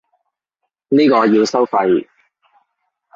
呢個要收費